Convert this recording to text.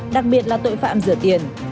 đặc biệt là tội phạm rửa tiền